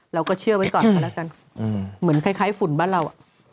เราก็เชื่อไว้ก่อนก็แล้วกันเหมือนคล้ายฝุ่นบ้านเรา